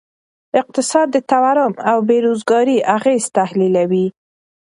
اقتصاد د تورم او بیروزګارۍ اغیز تحلیلوي.